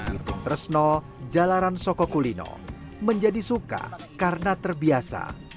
bikin tersno jalanan soko kulino menjadi suka karena terbiasa